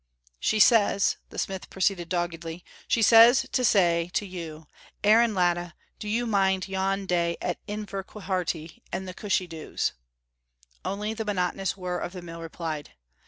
"She says," the smith proceeded, doggedly "she says to say to you, 'Aaron Latta, do you mind yon day at Inverquharity and the cushie doos?'" Only the monotonous whirr of the mill replied.